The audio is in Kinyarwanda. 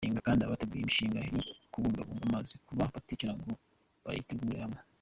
Anenga kandi abategura imishinga yo kubungabunga amazi kuba baticara ngo bayitegurire hamwe.